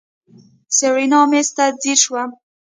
سېرېنا مېز ته ځير شوه.